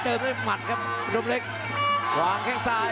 เอาละครับสอบขวาของอุดมเล็กมาก